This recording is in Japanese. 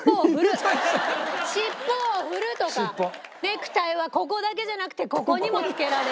尻尾を振るとかネクタイはここだけじゃなくてここにもつけられる。